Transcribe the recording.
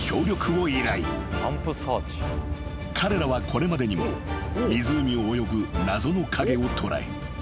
［彼らはこれまでにも湖を泳ぐ謎の影を捉え］